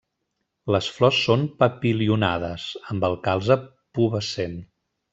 Les flors són papilionades, amb el calze pubescent.